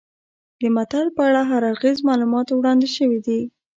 د متل په اړه هر اړخیز معلومات وړاندې شوي دي